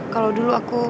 kalo dulu aku